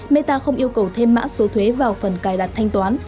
meta không yêu cầu thêm mã số thuế vào phần cài đặt thanh toán